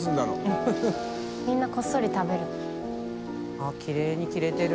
あっきれいに切れてる。